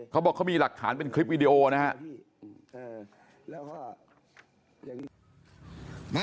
เขาบอกเขามีหลักฐานเป็นคลิปวีดีโอนะครับ